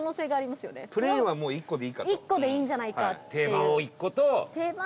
１個でいいんじゃないかっていう。